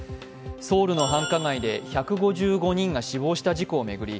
ソウルの繁華街で１５５人が死亡した事故を巡り